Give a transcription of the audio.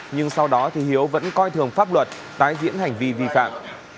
nhưng sau đó thì hiếu vẫn coi thường pháp luật tái diễn hành vi vi phạm